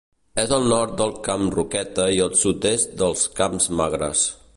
És al nord del Camp Roqueta i al sud-est dels Camps Magres.